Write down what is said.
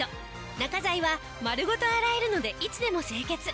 中材は丸ごと洗えるのでいつでも清潔。